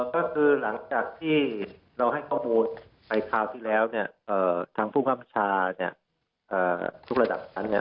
ก็คือหลังจากที่เราให้เข้าโมทไอ้คราวที่แล้วทางผู้คำชาทุกระดับทั้งนี้